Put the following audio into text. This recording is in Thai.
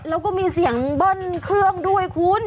แล้วก็มีเสียงเบิ้ลเครื่องด้วยคุณ